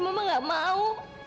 mama gak mau